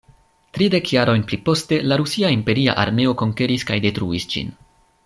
Tridek jarojn pli poste, la rusia imperia armeo konkeris kaj detruis ĝin.